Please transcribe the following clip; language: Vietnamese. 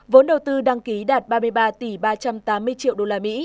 vốn đầu tư đăng ký đạt ba mươi ba tỷ ba trăm tám mươi triệu usd